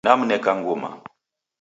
Namneka nguma